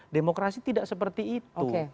demokrasi tidak seperti itu